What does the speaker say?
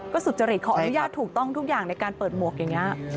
สุจริตขออนุญาตถูกต้องทุกอย่างในการเปิดหมวกอย่างนี้